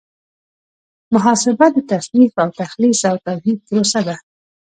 محاسبه د تنصیف او تخلیص او توحید پروسه ده.